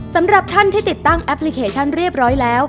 สำหรับท่านที่ติดตั้งแอปพลิเคชันเรียบร้อยแล้ว